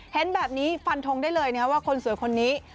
เห็นแบบนี้ฟันทงได้เลยนะว่าคนสวยคนนี้